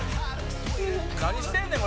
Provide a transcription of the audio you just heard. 「何してんねん！